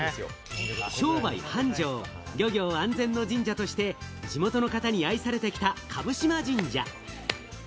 商売繁盛、漁業安全の神社として地元の方に愛されてきた蕪嶋神社。